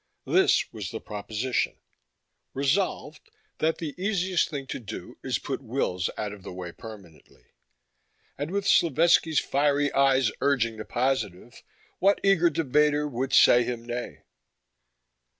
This was the proposition: Resolved, that the easiest thing to do is put Wills out of the way permanently. And with Slovetski's fiery eyes urging the positive, what eager debater would say him nay?